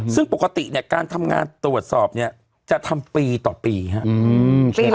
ซึ่งปกติเนี่ยการทำงานตรวจสอบเนี่ยจะทำปีต่อปีครับ